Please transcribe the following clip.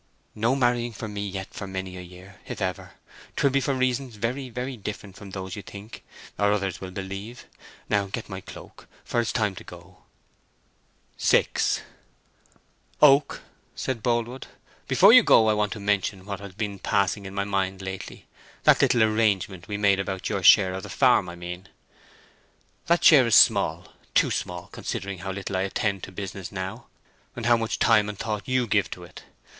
"No marrying for me yet for many a year; if ever, 'twill be for reasons very, very different from those you think, or others will believe! Now get my cloak, for it is time to go." VI "Oak," said Boldwood, "before you go I want to mention what has been passing in my mind lately—that little arrangement we made about your share in the farm I mean. That share is small, too small, considering how little I attend to business now, and how much time and thought you give to it.